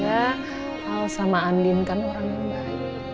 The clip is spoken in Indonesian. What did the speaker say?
semoga allah sama andin kan orang yang baik